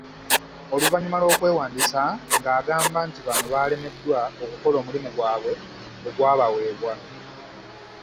Oluvannyuma lw'okwewandiisa ng'agamba nti bano baalemeddwa okukola omulimu gwabwe ogwabawebwa.